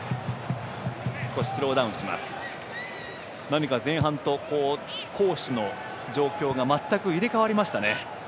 何か前半と攻守の状況がまったく入れ代わりましたね。